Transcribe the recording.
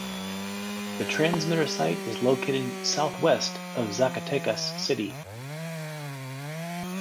The transmitter site is located southwest of Zacatecas City.